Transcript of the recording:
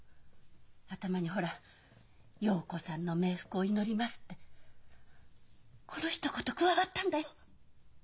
頭にほら「陽子さんの冥福を祈ります」ってこのひと言加わったんだよ。